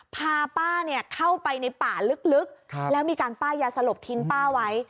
พาป้าเข้าไปในป่าลึกแล้วมีการป้ายยาสลบทิ้งป้าไว้